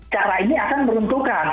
cara ini akan meruntuhkan